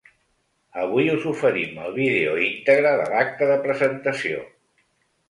Avui us oferim el vídeo íntegre de l’acte de presentació.